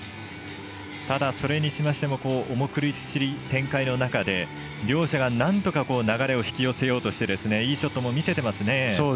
ただ、それにしましても重苦しい展開の中で両者がなんとか流れを引き寄せようとしていいショット見せていますね。